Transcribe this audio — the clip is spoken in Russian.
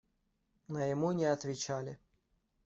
Но ему не отвечали.